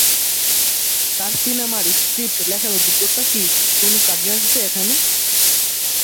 তার সিনেমার স্ক্রিপ্ট লেখার অভিজ্ঞতা কি কোনো কাজে আসবে এখানে?